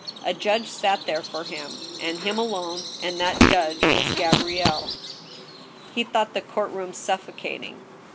A judge sat there for him, and him alone, and that judge was Gabrielle. He thought the court room suffocating.